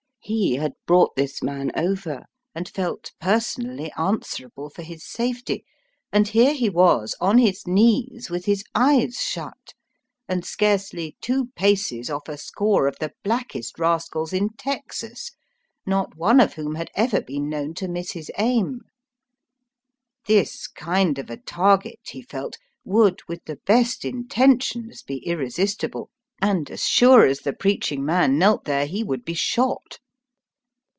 He had brought this man over, and felt personally answerable for his safety; and here he was on his knees with his eyes shut, and scarcely two paces off a score of the blackest rascals in Texas, not one of whom had ever been known to miss his aim I This kind of a target, he felt, would, with the best intentions, be irresistible, and as sure as the preaching Digitized by VjOOQIC LIFE AND DEATH IN THE FAR WEST. 61 man knelt there he would be shot.